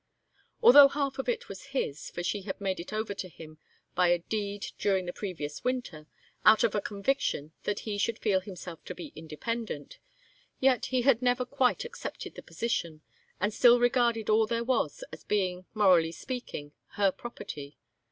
Although half of it was his, for she had made it over to him by a deed during the previous winter, out of a conviction that he should feel himself to be independent, yet he had never quite accepted the position, and still regarded all there was as being, morally speaking, her property.